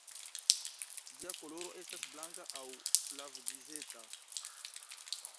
Ĝia koloro estas blanka aŭ flavgrizeta.